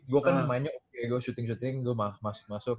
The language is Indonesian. gua kan mainnya gua shooting shooting gua masuk masuk